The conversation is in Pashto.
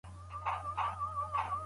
د طلاق سره به درې عدد ملګری نه وي.